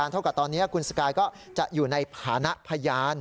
ถ้าเท่ากับตอนนี้ทุกคนจะอยู่ในฐานะพยาน